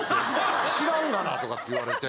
「知らんがな」とかって言われて。